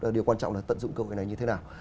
điều quan trọng là tận dụng cơ hội này như thế nào